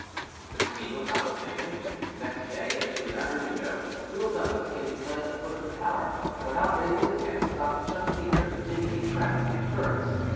The queen was not mistaken: next day, as she was at her window, Little Douglas came to play at the foot of the tower, and, without raising his head, stopped just beneath her to dig a trap to catch birds.